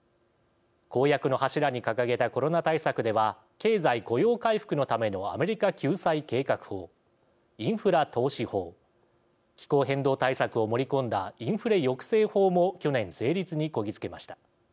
公約の柱に掲げたコロナ対策では経済、雇用回復のためのアメリカ救済計画法インフラ投資法気候変動対策を盛り込んだインフレ抑制法も去年、成立にこぎ着けました。